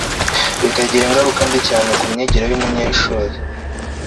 bikagira ingaruka mbi cyane ku myigire yumunyeshuri